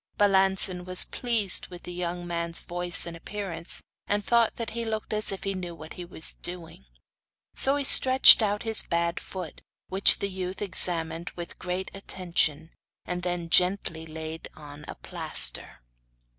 Balancin was pleased with the young man's voice and appearance, and thought that he looked as if he knew what he was doing. So he stretched out his bad foot which the youth examined with great attention, and then gently laid on the plaster.